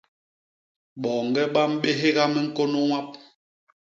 Boñge ba mbégha miñkônô ñwap.